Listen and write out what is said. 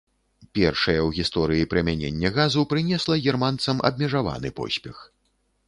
Першае ў гісторыі прымяненне газу прынесла германцам абмежаваны поспех.